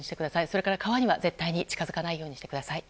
それから川には絶対に近づかないようにしてください。